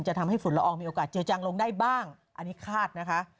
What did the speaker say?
ทำให้ฝุ่นละอองมีโอกาสเจอจังลงได้บ้างอันนี้คาดนะคะ